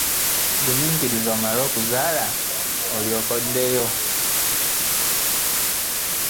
Guminkiriza omale okuzaala olyoke oddeyo.